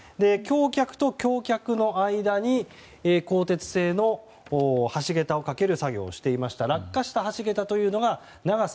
橋脚と橋脚の間に鋼鉄製の橋桁をかける作業をしていまして落下した橋桁というのは長さ